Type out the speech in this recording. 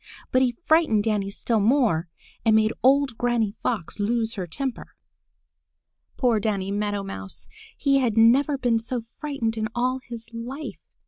But he frightened Danny still more and made old Granny Fox lose her temper. Poor Danny Meadow Mouse! He had never been so frightened in all his life.